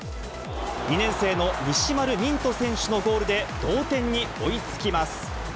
２年生の西丸みんと選手のゴールで同点に追いつきます。